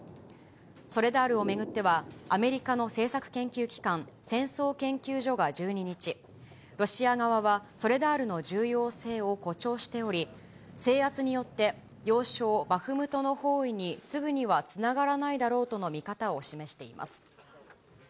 ソレダールを巡っては、アメリカの政策研究機関、戦争研究所が１２日、ロシア側はソレダールの重要性を誇張しており、制圧によって要衝、バフムトの包囲にすぐにはつながらないだろうとの見方を示しています。